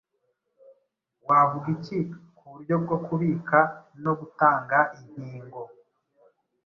Wavuga iki ku buryo bwo kubika no gutanga inkingo